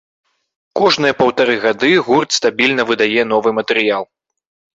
Кожныя паўтары гады гурт стабільна выдае новы матэрыял.